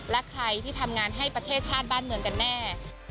และใครที่ทำงานให้ประเทศชาติบ้านเมืองกันแน่